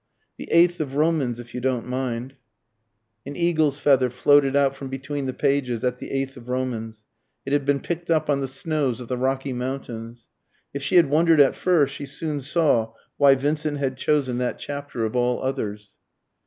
"The eighth of Romans, if you don't mind." An eagle's feather floated out from between the pages at the eighth of Romans. It had been picked up on the snows of the Rocky Mountains. If she had wondered at first, she soon saw why Vincent had chosen that chapter of all others.